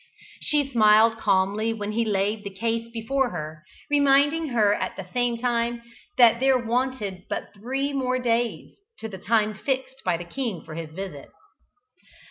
She smiled calmly when he laid the case before her, reminding her at the same time that there wanted but three more days to the time fixed by the king for his visit.